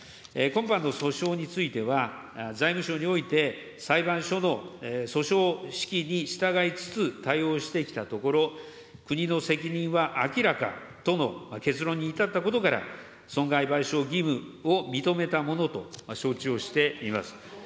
今般の訴訟については、財務省において裁判所の訴訟しきに従いつつ、対応してきたところ、国の責任は明らかとの結論に至ったことから、損害賠償義務を認めたものと承知をしています。